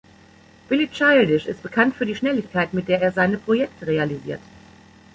Billy Childish ist bekannt für die Schnelligkeit, mit der er seine Projekte realisiert.